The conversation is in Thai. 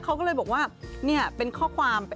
เขาก็เลยบอกว่านี่เป็นข้อความ